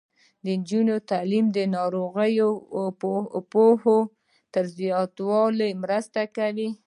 د نجونو تعلیم د ناروغیو پوهاوي زیاتولو مرسته کوي.